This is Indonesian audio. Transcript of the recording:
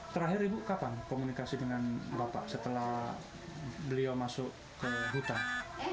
terakhir ibu kapan komunikasi dengan bapak setelah beliau masuk ke hutan